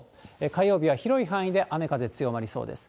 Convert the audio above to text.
火曜日は広い範囲で雨、風強まりそうです。